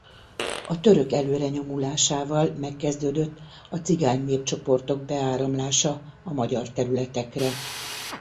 A török előrenyomulásával megkezdődött a cigány népcsoportok beáramlása a magyar területekre.